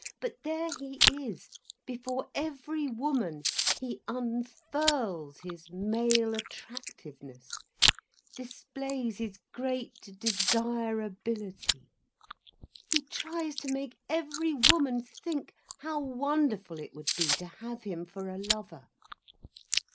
But there he is, before every woman he unfurls his male attractiveness, displays his great desirability, he tries to make every woman think how wonderful it would be to have him for a lover.